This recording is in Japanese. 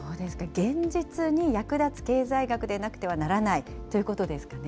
現実に役立つ経済学でなくてはならないということですよね。